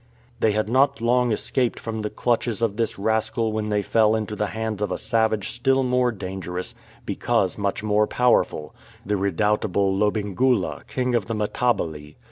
They had not long escaped from the clutches of this rascal when they fell into the hands of a savage still more dangerous because much more powerful — the redoubtable Lobengula, king of the Matabele.